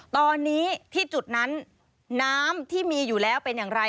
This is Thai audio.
ตอนนี้ที่จุดนั้นน้ำที่มีอยู่แล้วเป็นอย่างไร